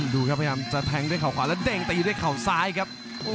ดูครับพยายามจะแทงด้วยเขาขวาแล้วเด้งตีด้วยเข่าซ้ายครับ